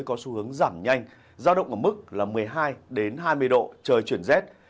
có xu hướng giảm nhanh giao động ở mức một mươi hai hai mươi độ trời chuyển rét